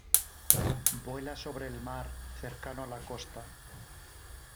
Vuela sobre el mar, cercano a la costa.